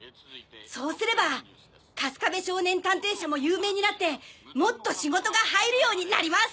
そうすればカスカベ少年探偵社も有名になってもっと仕事が入るようになります！